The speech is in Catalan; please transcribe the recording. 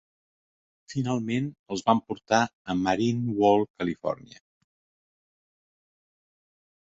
Finalment els van portar a Marine World California.